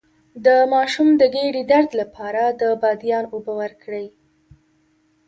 د ماشوم د ګیډې درد لپاره د بادیان اوبه ورکړئ